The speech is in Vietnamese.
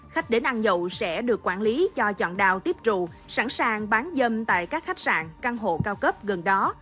khách đến ăn nhậu sẽ được quản lý cho chọn đào tiếp trụ sẵn sàng bán dâm tại các khách sạn căn hộ cao cấp gần đó